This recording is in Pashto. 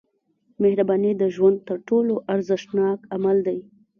• مهرباني د ژوند تر ټولو ارزښتناک عمل دی.